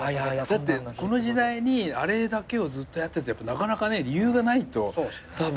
だってこの時代にあれだけをずっとやっててなかなか理由がないと。